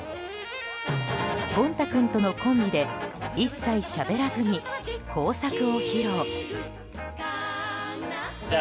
ゴン太くんとのコンビで一切しゃべらずに工作を披露。